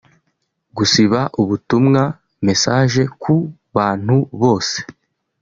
Gusiba ubutumwa ‘message’ ku bantu bose